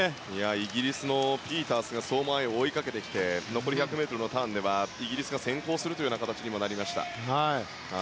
イギリスのピータースが相馬あいを追いかけて残り２００ｍのターンではイギリスが先行する形にもなりました。